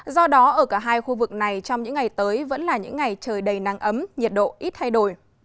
do đó ở cả hai khu vực này trong những ngày tới vẫn là những ngày trời đầy nắng ấm nhiệt độ ít thay đổi